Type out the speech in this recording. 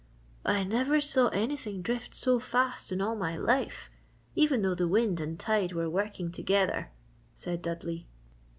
"I never saw anything drift so fast in all my life even though the wind and tide were working together," said Dudley.